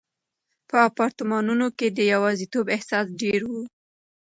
په اپارتمانونو کې د یوازیتوب احساس ډېر و.